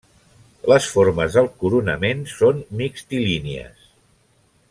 Les formes del coronament són mixtilínies.